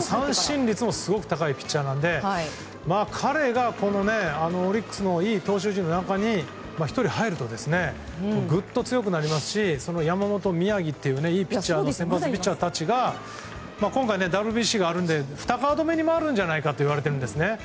三振率もすごく高いピッチャーなので彼がオリックスのいい投手陣の中に１人入るとぐっと強くなりますし山本、宮城といういい先発ピッチャーたちが今回、ＷＢＣがあるので２カード目に回るんじゃないかといわれているんですね。